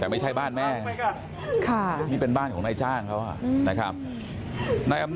แต่ไม่ใช่บ้านแม่นี่เป็นบ้านจ้างเขา